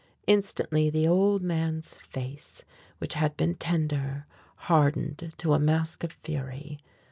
Instantly the old man's face, which had been tender, hardened to a mask of fury.